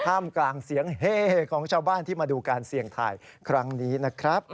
กลางเสียงเฮ่ของชาวบ้านที่มาดูการเสี่ยงทายครั้งนี้นะครับ